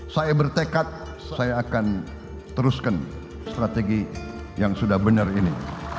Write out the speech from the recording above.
saya bertekad saya akan teruskan strategi yang sudah benar ini